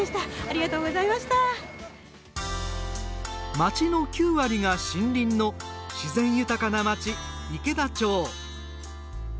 町の９割が森林の自然豊かな町池田町。